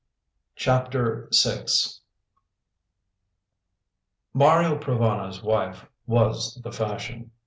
CHAPTER VI Mario Provana's wife was the fashion.